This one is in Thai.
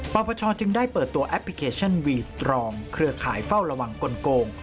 พรปชจึงได้เปิดตัวแอปพลิเคชันคือขายเฝ้าระวังกลโกง